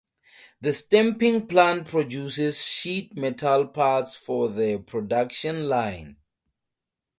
The stamping plant produces sheet metal parts for the production line.